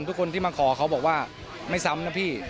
ทุกคนที่มาขอเขาบอกว่าไม่ซ้ำนะพี่